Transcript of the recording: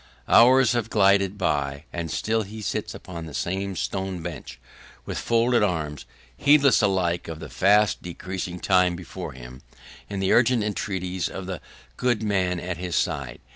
Hours have glided by, and still he sits upon the same stone bench with folded arms, heedless alike of the fast decreasing time before him, and the urgent entreaties of the good man at his side.